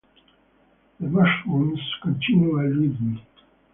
The mushrooms continue to elude me.